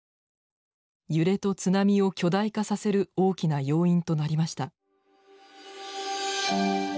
揺れと津波を巨大化させる大きな要因となりました。